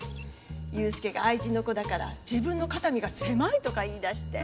雄介が愛人の子だから自分の肩身が狭いとか言いだして。